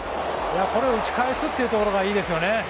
これを打ち返すところがいいですね。